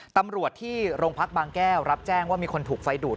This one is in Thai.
ตำรวจที่โรงพักบางแก้วรับแจ้งว่ามีคนถูกไฟดูด